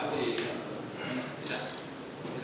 itu paper bag